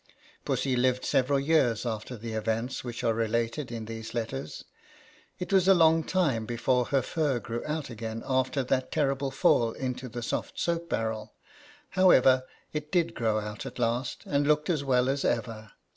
Pussy lived several years after the events which are related in these letters. It was a long time before her fur grew out again after that terrible fall into the soft soap barrel. However, it did grow out at last, and looked as well as ever.